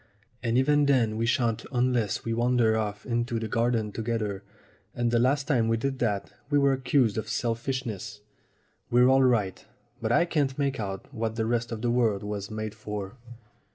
And even then we shan't unless we wander off into the garden together, and the last time we did that we were accused of selfishness. We're all right, but I can't make out what the rest of the world was made for."